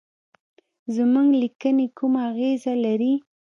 زموږ لیکني کومه اغیزه لري.